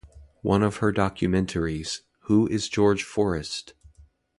One of her documentaries, Who is George Forest?